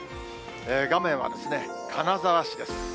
画面はですね、金沢市です。